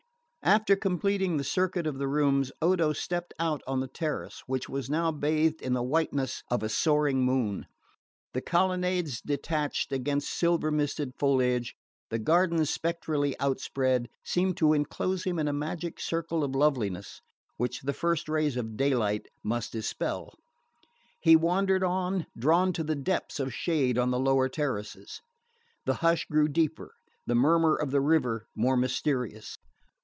After completing the circuit of the rooms Odo stepped out on the terrace, which was now bathed in the whiteness of a soaring moon. The colonnades detached against silver misted foliage, the gardens spectrally outspread, seemed to enclose him in a magic circle of loveliness which the first ray of daylight must dispel. He wandered on, drawn to the depths of shade on the lower terraces. The hush grew deeper, the murmur of the river more mysterious.